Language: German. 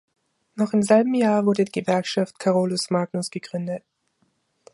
Noch im selben Jahr wurde die Gewerkschaft Carolus-Magnus gegründet.